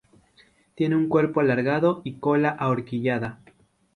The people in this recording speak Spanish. Tiene un cuerpo alargado y cola ahorquillada.